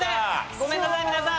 ごめんなさい皆さん。